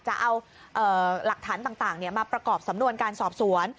จะเอาหลักฐานต่างมาประกอบสำนวนการสอบสวน